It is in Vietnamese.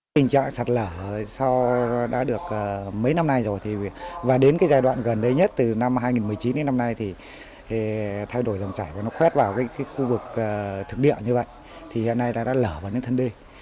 tình trạng sạt lở đã được mấy năm nay rồi và đến cái giai đoạn gần đây nhất từ năm hai nghìn một mươi chín đến năm nay thì thay đổi dòng chảy và nó khoét vào khu vực thực địa như vậy thì hiện nay đã lở vào những thân đê